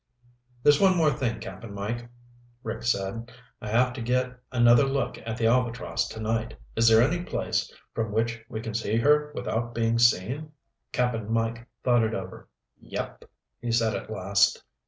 "There's one more thing, Cap'n Mike," Rick said. "I have to get another look at the Albatross tonight. Is there any place from which we can see her without being seen?" Cap'n Mike thought it over. "Yep," he said at last.